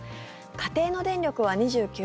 家庭の電力は２９％